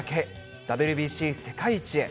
ＷＢＣ世界一へ。